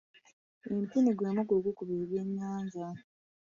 Empini gwe muggo ogukuba ebyennyanja.